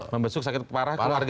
membesuk sakit parah keluarga